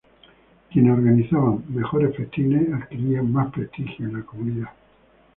Quienes organizaban mejores festines, adquirían más prestigio en la comunidad.